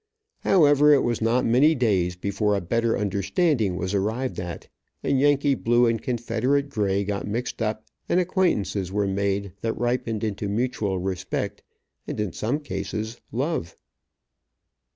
However, it was not many days before a better understanding was arrived at, and Yankee blue and Confederate gray got mixed up, and acquaintances were made that ripened into mutual respect and in some cases love.